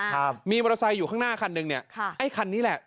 ครับมีมอเตอร์ไซค์อยู่ข้างหน้าคันหนึ่งเนี่ยค่ะไอ้คันนี้แหละ